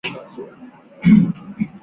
小樽运河和仓库